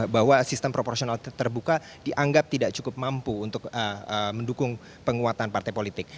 bahwa sistem proporsional terbuka dianggap tidak cukup mampu untuk mendukung penguatan partai politik